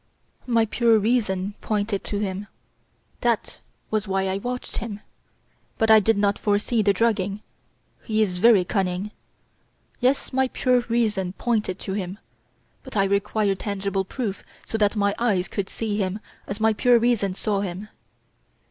"My pure reason pointed to him. That was why I watched him. But I did not foresee the drugging. He is very cunning. Yes, my pure reason pointed to him; but I required tangible proof so that my eyes could see him as my pure reason saw him."